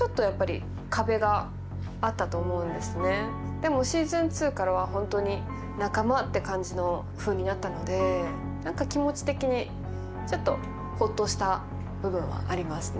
でも「Ｓｅａｓｏｎ２」からは本当に仲間って感じのふうになったので何か気持ち的にちょっとホッとした部分はありますね。